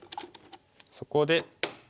そこで。